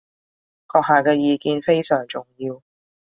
閣下嘅意見非常重要